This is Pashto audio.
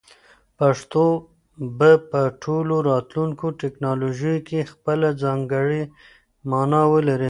پښتو به په ټولو راتلونکو ټکنالوژیو کې خپله ځانګړې مانا ولري.